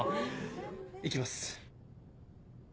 行きます。